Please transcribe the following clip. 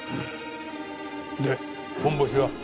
でホンボシは？